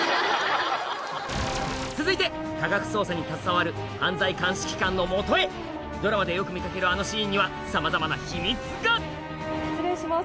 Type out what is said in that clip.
続いて科学捜査に携わる犯罪鑑識官のもとへドラマでよく見かけるあのシーンにはさまざまな秘密が失礼します